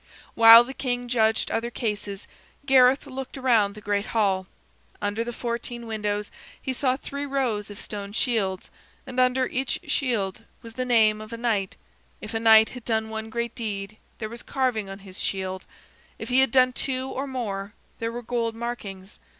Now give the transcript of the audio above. While the king judged other cases, Gareth looked around the great hall. Underneath the fourteen windows he saw three rows of stone shields, and under each shield was the name of a knight. If a knight had done one great deed, there was carving on his shield; if he had done two or more, there were gold markings.